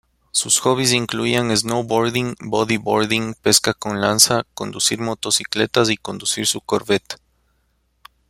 Sus hobbies incluían snowboarding, body-boarding, pesca con lanza, conducir motocicletas y conducir su Corvette.